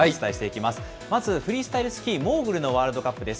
まずフリースタイルスキー、モーグルのワールドカップです。